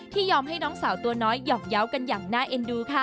ยอมให้น้องสาวตัวน้อยหยอกเยาว์กันอย่างน่าเอ็นดูค่ะ